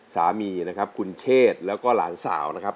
สามีนะครับคุณเชษแล้วก็หลานสาวนะครับ